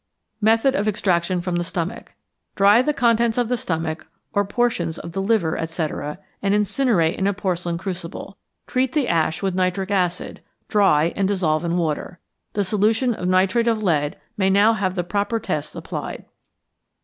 Method of Extraction from the Stomach. Dry the contents of the stomach or portions of the liver, etc., and incinerate in a porcelain crucible. Treat the ash with nitric acid, dry, and dissolve in water. The solution of nitrate of lead may now have the proper tests applied.